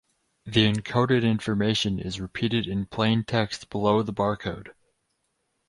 The encoded information is repeated in plain text below the barcode.